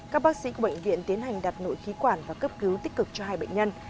các bác sĩ của bệnh viện tiến hành đặt nội khí quản và cấp cứu tích cực cho hai bệnh nhân